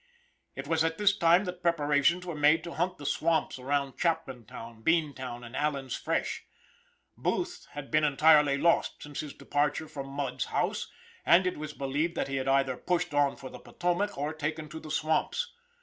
It was at this time that preparations were made to hunt the swamps around Chapmantown, Beantown, and Allen's Fresh. Booth had been entirely lost since his departure from Mudd's house, and it was believed that he had either pushed on for the Potomac or taken to the swamps.